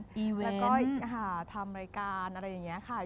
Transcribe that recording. แล้วก็ทำรายการอะไรอย่างนี้ค่ะ